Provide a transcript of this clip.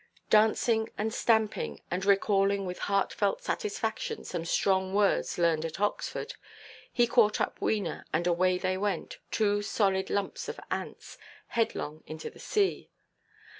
Dancing, and stamping, and recalling, with heartfelt satisfaction, some strong words learned at Oxford, he caught up Wena, and away they went, two solid lumps of ants, headlong into the sea.